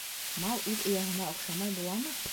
- Мал үҙ эйәһенә оҡшамай буламы?